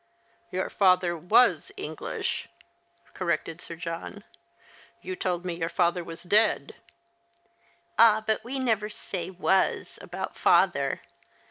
" Your father was English," corrected Sir John. " You told me your father was dead." " Ah, but we never say ivas about father.